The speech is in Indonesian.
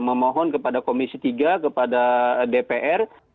memohon kepada komisi tiga kepada dpr